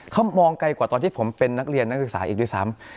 เขามองไกลกว่าตอนที่ผมเป็นนักเรียนนักศึกษาอีกด้วยซ้ำ